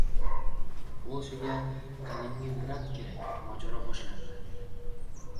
Polshaga Kaliningrad kerak: mojaro boshlandi